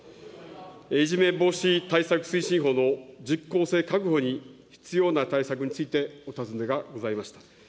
いじめ防止対策推進法の実効性確保に必要な対策についてお尋ねがございました。